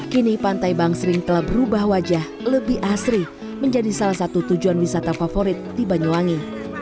kini pantai bangsering telah berubah wajah lebih asri menjadi salah satu tujuan wisata favorit di banyuwangi